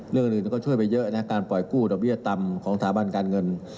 เรื่องอื่นก็ช่วยไปเยอะนะการปล่อยกู้ดอกเบี้ยต่ำของสถาบันการเงิน